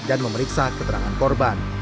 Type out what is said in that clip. dan memeriksa keterangan